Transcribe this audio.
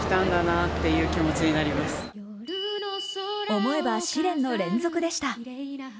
思えば試練の連続でした。